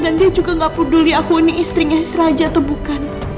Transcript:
dan dia juga gak peduli aku ini istrinya raja atau bukan